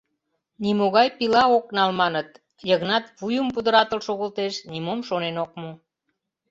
Нимогай пила ок нал, маныт, — Йыгнат вуйым пудыратыл шогылтеш, нимом шонен ок му.